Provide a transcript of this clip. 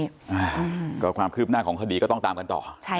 อ่าก็ความคืบหน้าของคดีก็ต้องตามกันต่อใช่